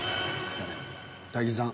大吉さん。